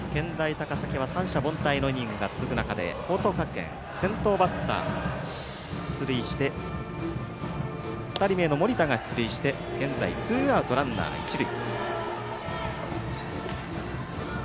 高崎は三者凡退のイニングが続く中で報徳学園２人目の盛田が出塁して現在、ツーアウトランナー、一塁。